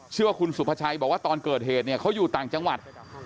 ชื่อว่าคุณสุภาชัยบอกว่าตอนเกิดเหตุเนี่ยเขาอยู่ต่างจังหวัด